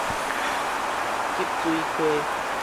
急水溪